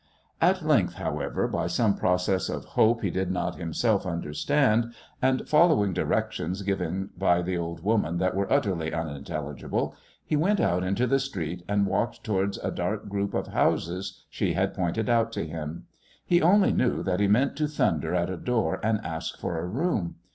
At length, however, by some process of hope he did not himself understand, and following directions given by the old woman that were utterly unintelligible, he went out into the street and walked towards a dark group of houses she had pointed out to him. He only knew that he meant to thunder at a door and ask for a room.